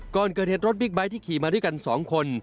ก่อนเกิดเหตุรถบิ๊กไบท์ที่ขี่มาด้วยกัน๒คน